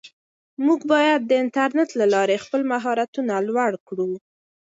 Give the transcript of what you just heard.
موږ باید د انټرنیټ له لارې خپل مهارتونه لوړ کړو.